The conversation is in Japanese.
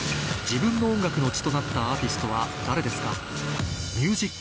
自分の音楽の血となったアーティストは誰ですか？